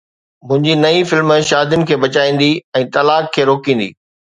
منهنجي نئين فلم شادين کي بچائيندي ۽ طلاق کي روڪيندي